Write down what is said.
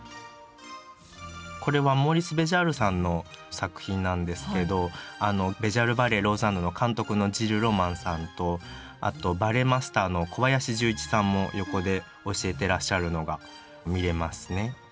これはモーリス・ベジャールさんの作品なんですけどベジャール・バレエ・ローザンヌの監督のジル・ロマンさんとあとバレエマスターの小林十市さんも横で教えてらっしゃるのが見れますね。